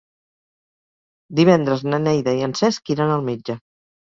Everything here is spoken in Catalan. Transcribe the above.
Divendres na Neida i en Cesc iran al metge.